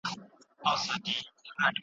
زه به تا ته زنګ ووهم.